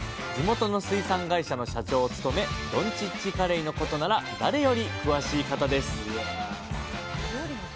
地元の水産会社の社長を務めどんちっちカレイのことなら誰より詳しい方です